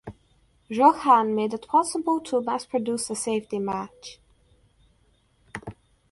Johan made it possible to mass-produce the safety match.